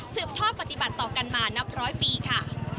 ท่อปฏิบัติต่อกันมานับร้อยปีค่ะ